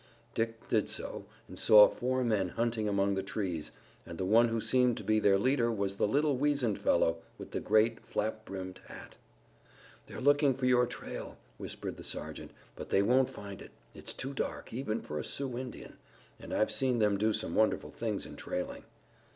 Dick did so, and saw four men hunting among the trees, and the one who seemed to be their leader was the little weazened fellow, with the great, flap brimmed hat. "They're looking for your trail," whispered the sergeant, "but they won't find it. It's too dark, even for a Sioux Indian, and I've seen them do some wonderful things in trailing."